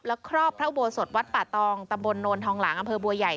และครอบพระอุโบสถวัดป่าตองตำบลโนนทองหลางอำเภอบัวใหญ่